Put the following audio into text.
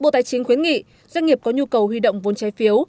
bộ tài chính khuyến nghị doanh nghiệp có nhu cầu huy động vốn trái phiếu